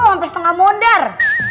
sampai setengah modar